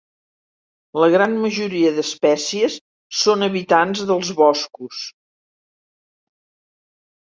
La gran majoria d'espècies són habitants dels boscos.